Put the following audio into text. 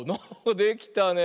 できたねえ。